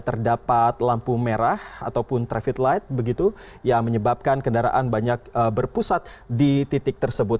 terdapat lampu merah ataupun traffic light yang menyebabkan kendaraan banyak berpusat di titik tersebut